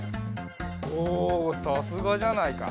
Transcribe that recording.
おおさすがじゃないか。